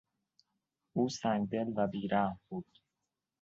او سنگدل و بی رحم بود.